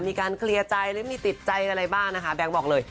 มีการเคลียร์ใจหรือมีติดใจอะไรบ้างนะคะแบงค์บอกเลย